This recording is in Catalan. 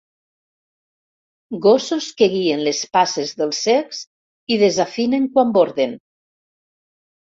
Gossos que guien les passes dels cecs i desafinen quan borden.